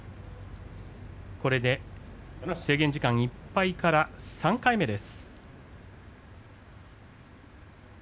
これで制限時間いっぱいから３回目です。